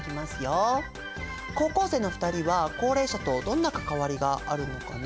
高校生の２人は高齢者とどんな関わりがあるのかな？